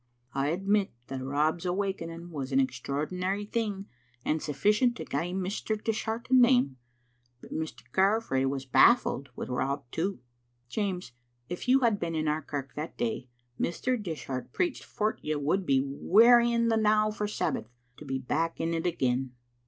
I admit that Rob's awakening was an extraordinary thing, and sufficient to gie Mr. Dishart a name. But Mr. Carfrae was baffled wi' Rob too." " Jeames, if you had been in our kirk that day Mr. Dishart preached for't you would be wearying the now for Sabbath, to be back in't again.